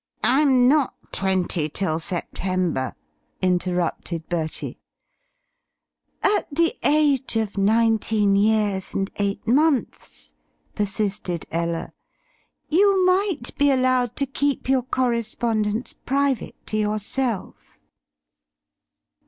"I'm not twenty till September," interrupted Bertie. "At the age of nineteen years and eight months," persisted Ella, "you might be allowed to keep your correspondence private to yourself."